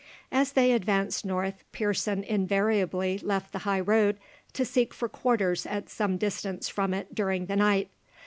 As they advanced north, Pearson invariably left the high road to seek for quarters at some distance from it during the night.